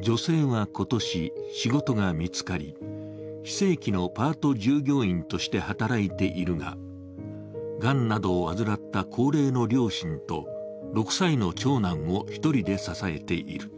女性は今年、仕事が見つかり非正規のパート従業員として働いているががんなどを患った高齢の両親と６歳の長男を１人で支えている。